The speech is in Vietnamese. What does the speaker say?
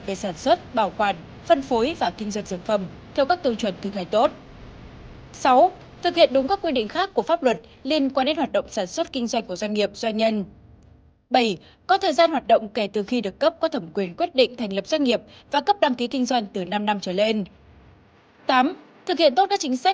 về sản xuất bảo quản phân phối và kinh doanh sản phẩm theo các tiêu chuẩn thực hành tốt